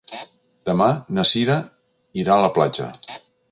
Demà na Sira irà a la platja.